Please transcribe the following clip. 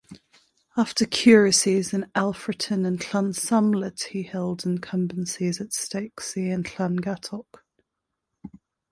After curacies in Alfreton and Llansamlet he held incumbencies at Stokesay and Llangattock.